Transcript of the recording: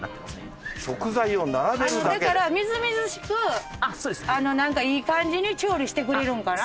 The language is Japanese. だからみずみずしく何かいい感じに調理してくれるんかな？